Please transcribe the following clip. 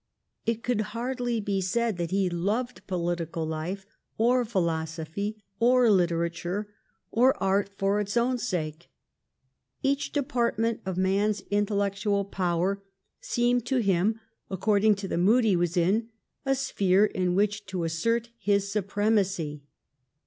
It could hardly be said that he loved political life, or philosophy, or litera ture, or art for its own sake. Each department of men's intellectual power seemed to him, according to the mood he was in, a sphere in which to assert his supremacy.